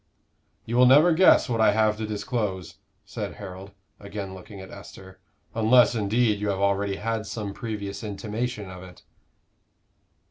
"You will never guess what I have to disclose," said Harold, again looking at Esther, "unless, indeed, you have already had some previous intimation of it."